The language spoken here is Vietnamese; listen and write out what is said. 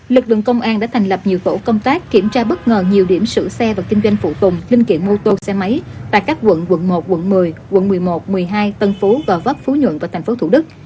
lực lượng công an đã thành lập nhiều tổ công tác kiểm tra bất ngờ nhiều điểm sửa xe và kinh doanh phụ tùng linh kiện mô tô xe máy tại các quận quận một quận một mươi quận một mươi một một mươi hai tân phú gò vấp phú nhuận và tp thủ đức